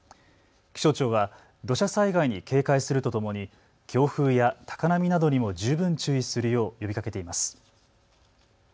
気象庁は土砂災害に警戒するとともに強風や高波などにも十分注意するよう呼びかけています。